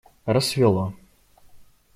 Рассвело.